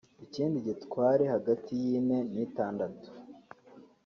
ikindi gitware hagati y’ine n’itandatu